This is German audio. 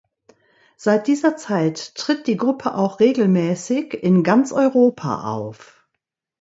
Seit dieser Zeit tritt die Gruppe auch regelmäßig in ganz Europa auf.